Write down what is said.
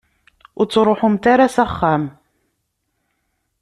Ur ttruḥumt ara s axxam.